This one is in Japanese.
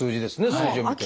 数字を見ても。